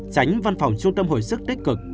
tránh văn phòng trung tâm hồi sức tích cực